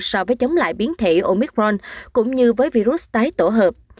so với chống lại biến thể omicron cũng như với virus tái tổ hợp